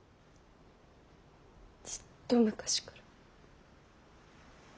ずっと昔から。